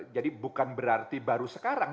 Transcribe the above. bukan berarti baru sekarang